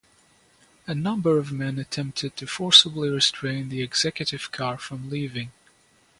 A number of men attempted to forcibly restrain the executive car from leaving.